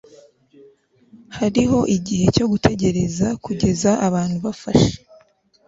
hariho igihe cyo gutegereza kugeza abantu bafashe